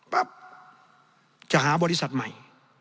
ปั๊บจะหาบริษัทใหม่